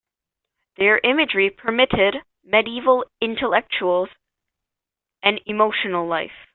Their imagery permeated Medieval intellectual and emotional life.